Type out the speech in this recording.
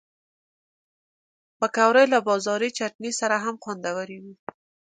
پکورې له بازاري چټني سره هم خوندورې وي